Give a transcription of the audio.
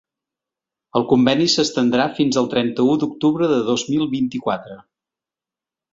El conveni s’estendrà fins al trenta-u d’octubre de dos mil vint-i-quatre.